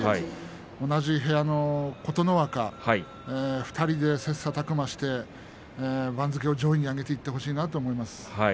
同じ部屋の琴ノ若２人で切さたく磨して番付を上位に上げていってほしいなと思ってます。